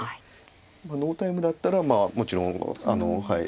ノータイムだったらもちろんはい。